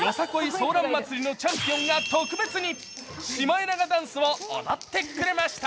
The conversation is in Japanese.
ソーラン祭りのチャンピオンが特別にシマエナガダンスを踊ってくれました。